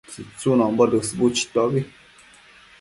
tsitsunombo dësbu chitobi